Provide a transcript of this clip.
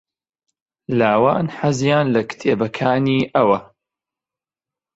لاوان حەزیان لە کتێبەکانی ئەوە.